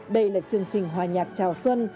đây là chương trình hòa nhạc chào xuân